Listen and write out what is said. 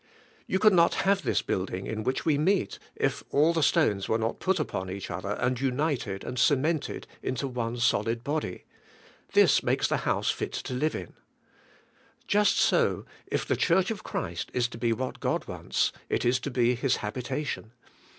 You could not have this building in which we meet if all the stones v/ere not put upon each other and united and cemented into one solid body; this makes the house fit to live in. Just so, if the church of Christ is to be what God wants, it is to be His habitation.